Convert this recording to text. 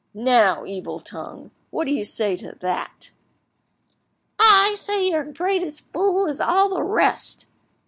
Now, evil tongue, what do you say to that?" "I say that you are as great a fool as the rest.